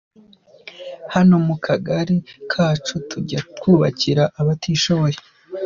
Hano mu kagari kacu tujya twubakira abatishoboye.